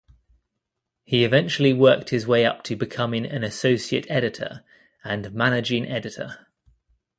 He eventually worked his way up to becoming an associate editor and managing editor.